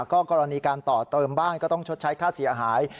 ก็กรณีการต่อเติมบ้านก็ต้องชดใช้ค่าเสียหาย